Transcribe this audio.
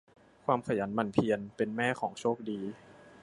ความขยันหมั่นเพียรเป็นแม่ของโชคดี